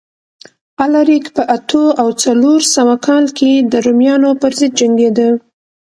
الاریک په اتو او څلور سوه کال کې د رومیانو پرضد جنګېده